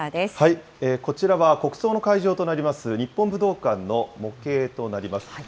こちらは、国葬の会場となります日本武道館の模型となります。